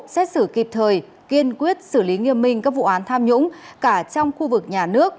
xét xử kịp thời kiên quyết xử lý nghiêm minh các vụ án tham nhũng cả trong khu vực nhà nước